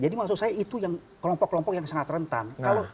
maksud saya itu yang kelompok kelompok yang sangat rentan